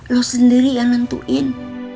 lo sendiri yang nentuin